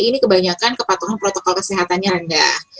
ini kebanyakan kepatuhan protokol kesehatannya rendah